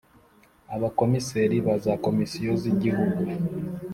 Abakomiseri ba za komisiyo z igihugu